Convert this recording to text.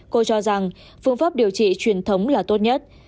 cô cho rằng phương pháp điều trị truyền thống là tốt nhất